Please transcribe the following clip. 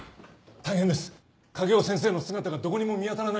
大変です影尾先生の姿がどこにも見当たらないんです。